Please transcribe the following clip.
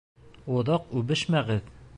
Оҙаҡ үбешмәгеҙ!